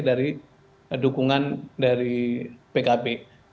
dari dukungan dari pkb